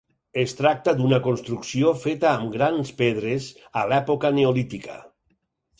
Es tracta d'una construcció feta amb grans pedres a l'època neolítica.